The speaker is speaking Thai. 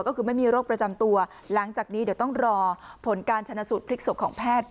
ก็คือไม่มีโรคประจำตัวหลังจากนี้เดี๋ยวต้องรอผลการชนะสูตรพลิกศพของแพทย์